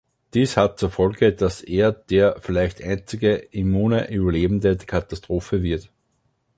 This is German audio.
Dies hat zur Folge, dass er der vielleicht einzige immune Überlebende der Katastrophe wird.